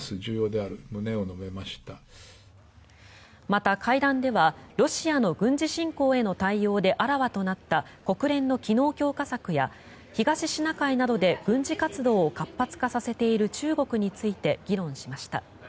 また、会談ではロシアの軍事侵攻への対応であらわとなった国連の機能強化策や東シナ海などで軍事活動を活発化させている中国について議論しました。